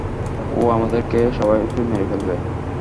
ও আমাদের সবাইকে মেরে ফেলবে।